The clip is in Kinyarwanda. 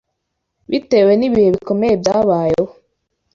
bitewe n’ibihe bikomeye byabayeho